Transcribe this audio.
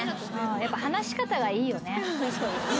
やっぱ話し方がいいよね。